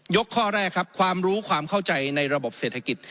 ข้อแรกครับความรู้ความเข้าใจในระบบเศรษฐกิจ